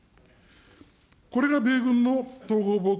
これが米軍の統合防空